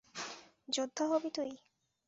যোদ্ধা হবি তুই?